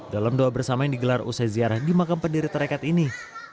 dalam doa bersama yang digelar usai ziarah di makam pendiri tarekat ini